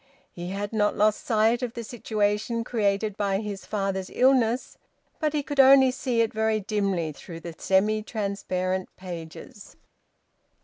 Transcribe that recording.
He had not lost sight of the situation created by his father's illness, but he could only see it very dimly through the semi transparent pages.